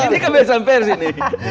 ini kebiasaan pers ini